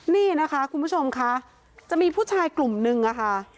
นี่นะคะคุณผู้ชมค่ะจะมีผู้ชายกลุ่มนึงอะค่ะ